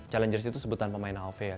challengers itu sebutan pemain alve ya